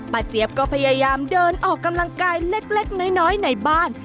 เจี๊ยบก็พยายามเดินออกกำลังกายเล็กน้อยในบ้าน